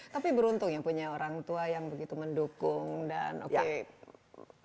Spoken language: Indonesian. tapi beruntung ya punya orang tua yang begitu mendukung dan oke